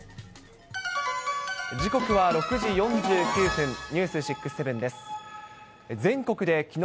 時刻は６時４９分、ニュース６ー７です。